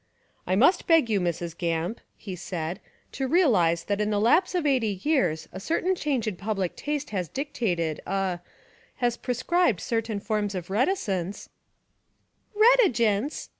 "I must beg you, Mrs. Gamp," he said, "to realise that in the lapse of eighty years a cer tain change in public taste has dictated — a — has prescribed certain forms of reticence " "Retigence